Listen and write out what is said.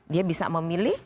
dia bisa memilih